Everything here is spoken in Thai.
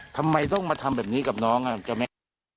ทำไมต้องมาทำแบบนี้กับน้องอ่ะเจ้าแม่